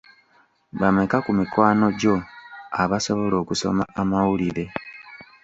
Bameka ku mikwano gyo abasobola okusoma amawulire?